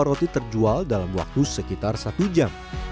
roti terjual dalam waktu sekitar satu jam